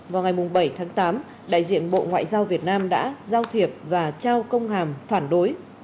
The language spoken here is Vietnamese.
vào ngày bảy tháng tám đại diện bộ ngoại giao việt nam đã giao thiệp và trao công hàm phản đối